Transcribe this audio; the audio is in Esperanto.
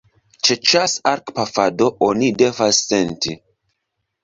Ĉe ĉas-arkpafado oni devas senti.